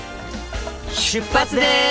出発です！